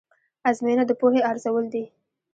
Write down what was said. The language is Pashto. ازموینه د پوهې ارزول دي.